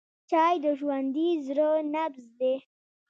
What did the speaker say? چای د ژوندي زړه نبض دی.